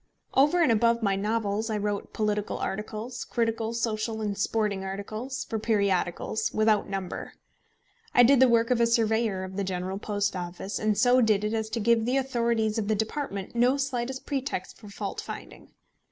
Over and above my novels, I wrote political articles, critical, social, and sporting articles, for periodicals, without number. I did the work of a surveyor of the General Post Office, and so did it as to give the authorities of the department no slightest pretext for fault finding.